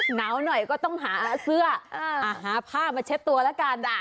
หนาวหน่อยก็ต้องหาเสื้อหาผ้ามาเช็ดตัวแล้วกัน